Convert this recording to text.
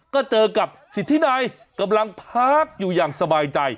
ก็เจอกับสิทธินัยกำลังพักอยู่อย่างสบายใจ